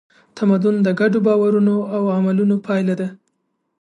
تمدن د ګډو باورونو او عملونو پایله ده.